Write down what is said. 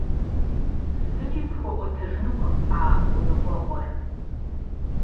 ЗыкӀи пхуэӀуэтэжынукъым а гуныкъуэгъуэр.